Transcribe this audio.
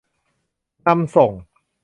นำส่ง